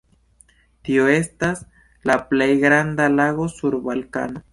Tio estas la plej granda lago sur Balkano.